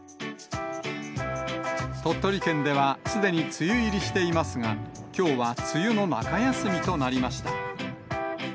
鳥取県ではすでに梅雨入りしていますが、きょうは梅雨の中休みとなりました。